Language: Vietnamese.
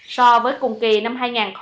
so với cùng kỳ năm hai nghìn hai mươi ba